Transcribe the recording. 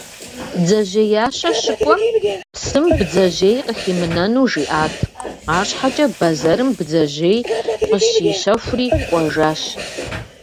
Бдзэжьеящэ щыкӏуэм, псым бдзэжьей къыхимынэну жиӏат, арщхьэкӏэ бэзэрым бдзэжьей къыщищэхури кӏуэжащ.